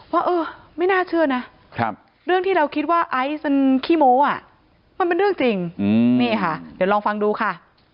ว่าเออไม่น่าเชื่อนะเรื่องที่เราคิดว่าไอซ์มันขี้โม้มันเป็นเรื่องจริงนี่ค่ะเดี๋ยวลองฟังดูค่ะ